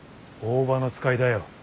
大庭の使いだよ。